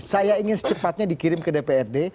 saya ingin secepatnya dikirim ke dprd